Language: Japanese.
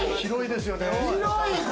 広い！